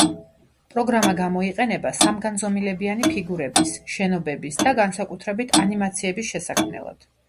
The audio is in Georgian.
პროგრამა გამოიყენება სამგანზომილებიანი ფიგურების, შენობების და განსაკუთრებით ანიმაციების შესაქმნელად.